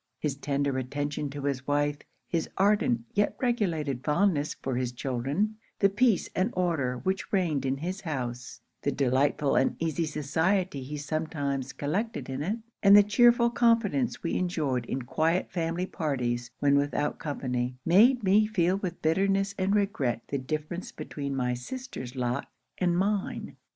'His tender attention to his wife; his ardent, yet regulated fondness for his children; the peace and order which reigned in his house; the delightful and easy society he sometimes collected in it, and the chearful confidence we enjoyed in quiet family parties when without company; made me feel with bitterness and regret the difference between my sister's lot and mine.